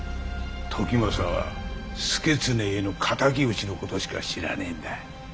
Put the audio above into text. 時政は祐経への敵討ちのことしか知らねえんだ。